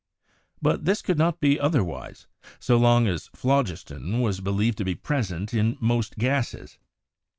But this could not be otherwise, so long as phlogiston was believed to be present in most gases.